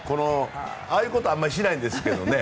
ああいうことはあまりしないんですけどね。